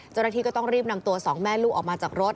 เจ้าหน้าที่ก็ต้องรีบนำตัวสองแม่ลูกออกมาจากรถ